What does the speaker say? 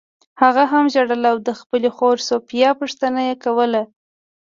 هغه هم ژړل او د خپلې خور سوفیا پوښتنه یې کوله